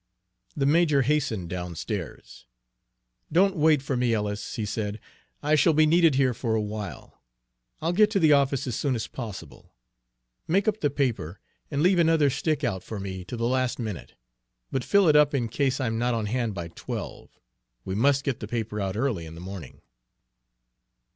The major hastened downstairs. "Don't wait for me, Ellis," he said. "I shall be needed here for a while. I'll get to the office as soon as possible. Make up the paper, and leave another stick out for me to the last minute, but fill it up in case I'm not on hand by twelve. We must get the paper out early in the morning."